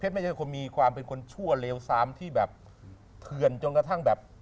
ไม่ใช่คนมีความเป็นคนชั่วเลวซ้ำที่แบบเถื่อนจนกระทั่งแบบ